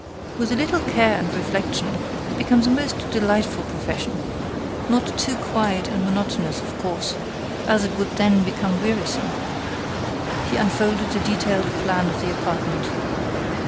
With a little care and reflection, it becomes a most delightful profession. Not too quiet and monotonous, of course, as it would then become wearisome." He unfolded a detailed plan of the apartment.